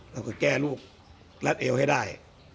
แล้วก็แก้ลูกรัดเอวให้ได้